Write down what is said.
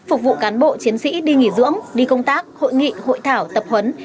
phục vụ cán bộ chiến sĩ đi nghỉ dưỡng đi công tác hội nghị hội thảo tập huấn